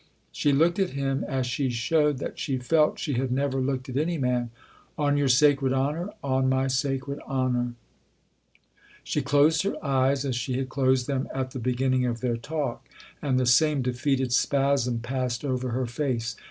She looked at him as she showed that she felt THE OTHER HOUSE 267 she had never looked at any man. " On your sacred honour ?" "On my sacred honour." She closed her eyes as she had closed them at the beginning of their talk, and the same defeated spasm passed over her face.